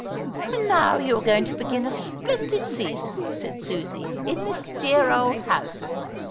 "And now you are going to begin a splendid season," said Susie, "in this dear old house.